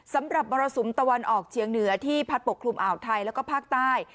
สำหรับบรสุมตะวันออกเจียงเหนือที่ผัดปกครุมอ่าวไทยและภาคใต้